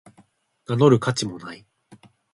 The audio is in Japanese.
名乗る価値もない